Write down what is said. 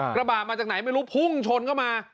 กระบะมาจากไหนไม่รู้พุ่งชนเข้ามา